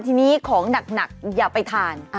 ทีนี้ของหนักอย่าไปทาน